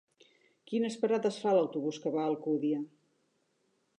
Quines parades fa l'autobús que va a Alcúdia?